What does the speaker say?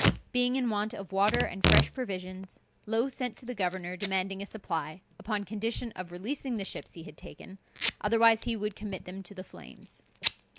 Being in want of water and fresh provisions, Low sent to the governor demanding a supply, upon condition of releasing the ships he had taken, otherwise he would commit them to the flames.